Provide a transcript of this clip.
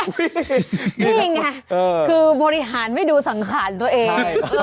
นี่ไงคือบริหารไม่ดูสังขารตัวเอง